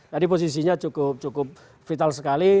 jadi posisinya cukup vital sekali